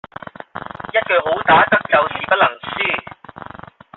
一句好打得就是不能輸